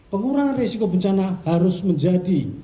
pengurangan risiko bencana harus menjadi